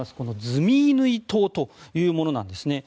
ズミイヌイ島というものです。